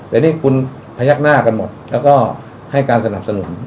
แต่นี่คุณพยักหน้ากันหมดแล้วก็ให้การสนับสนุน